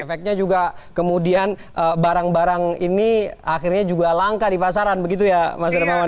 efeknya juga kemudian barang barang ini akhirnya juga langka di pasaran begitu ya mas dermawan